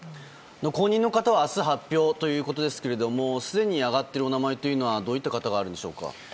後任の方は明日発表ということですがすでに挙がっているお名前はどういった方があるのでしょうか。